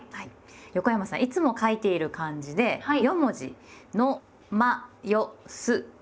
横山さんいつも書いている感じで四文字「の・ま・よ・す」を書いてみて下さい。